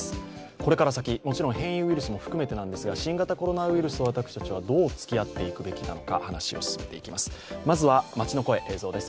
これから先、もちろん変異ウイルスも含めてなんですが新型コロナウイルスと私たちはどうつきあっていくべきなのか話を進めていきます。